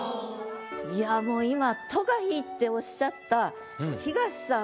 いやもう今「と」が良いっておっしゃった東さん